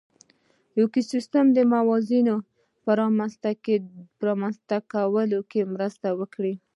ایکوسېسټم د موازنې په رامنځ ته کولو کې مرسته وکړه.